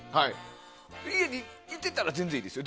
家にいてたら全然いいですよ。